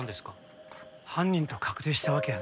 犯人と確定したわけやねえ。